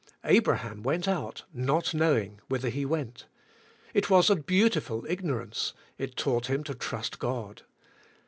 Abraham went out not knowing whither he went. It was a beautiful ignorance, it taught him to trust God.